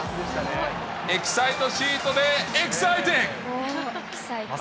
エキサイトシートでエキサイティング。